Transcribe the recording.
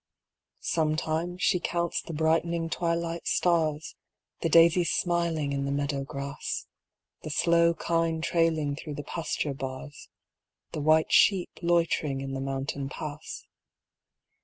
Sometimes she counts the brightening twilight stars, The daisies smiling in the meadow grass, The slow kine trailing through the pasture bars, The white sheep loitering in the mountain pass.